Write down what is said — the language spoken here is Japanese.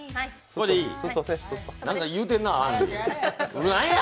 何か言うてんな、何や！